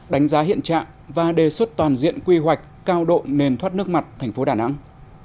đánh giá hiện trạng và đề xuất toàn diện quy hoạch cao độ nền thoát nước mặt thành phố đà nẵng